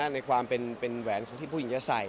ในความเป็นแหวนของที่ผู้หญิงจะใส่